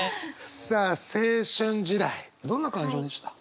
さあ青春時代どんな感情でした？